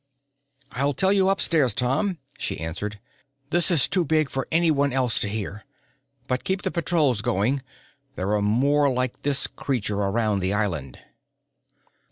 "I'll tell you upstairs, Tom," she answered. "This is too big for anyone else to hear. But keep the patrols going. There are more like this creature around the island."